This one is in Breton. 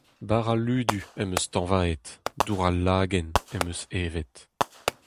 Bara ludu am eus tañvaet, dour al lagenn am eus evet.